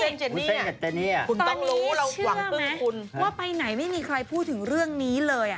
คุณต้องรู้เราหวังต้องคุณตอนนี้เชื่อไหมว่าไปไหนไม่มีใครพูดถึงเรื่องนี้เลย